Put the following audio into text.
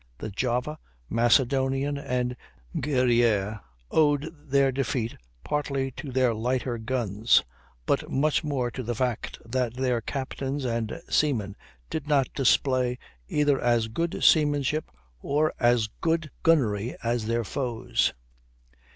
The Java, Macedonian, and Guerrière owed their defeat partly to their lighter guns, but much more to the fact that their captains and seamen did not display either as good seamanship or as good gunnery as their foes.